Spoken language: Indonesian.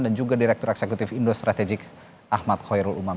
dan juga direktur eksekutif indo strategik ahmad khoyrul umam